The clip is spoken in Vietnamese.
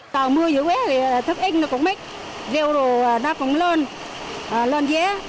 còn mưa dưới quế thì thức in nó cũng mít rêu đồ nó cũng lon lon dế